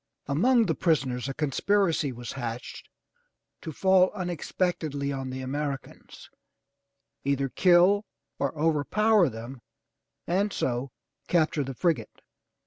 Among the prisoners a conspiracy was hatched to fall unex pectedly on the Americans, either kill or overpower them and so capture the frigate.